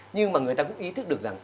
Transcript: nhưng mà người ta cũng ý thức được rằng